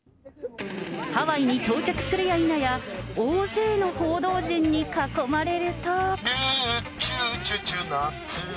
ハワイに到着するやいなや、大勢の報道陣に囲まれると。